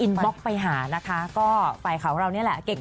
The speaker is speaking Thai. บล็อกไปหานะคะก็ฝ่ายเขาเรานี่แหละเก่ง